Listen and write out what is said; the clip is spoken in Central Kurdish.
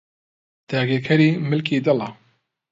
داگیرکەری ملکی دڵە